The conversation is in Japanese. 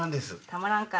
たまらんか。